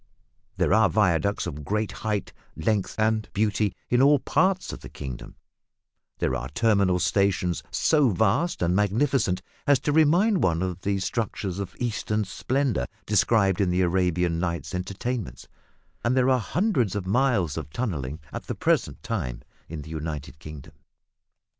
There are viaducts of great height, length, and beauty in all parts of the kingdom; there are terminal stations so vast and magnificent as to remind one of the structures of Eastern splendour described in the Arabian Nights Entertainments; and there are hundreds of miles of tunnelling at the present time in the United Kingdom.